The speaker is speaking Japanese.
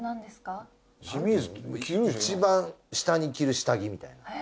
いちばん下に着る下着みたいな。